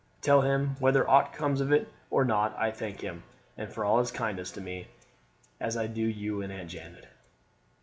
Tell him, whether aught comes of it or not I thank him, and for all his kindness to me, as I do you and Aunt Janet."